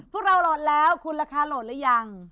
พวกเราโหลดแล้วคุณราคาโหลดหรือยัง